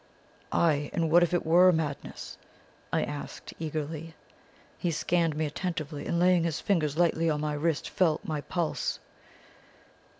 "'Aye, and what if it were madness?' I asked him eagerly. He scanned me attentively, and laying his fingers lightly on my wrist, felt my pulse.